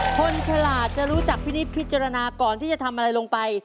ฉลาดจะรู้จักพี่นิดพิจารณาก่อนที่จะทำอะไรลงไป